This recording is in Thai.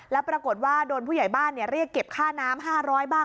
แล้วปรากฏว่าโดนผู้ใหญ่บ้านเรียกเก็บค่าน้ำ๕๐๐บ้าง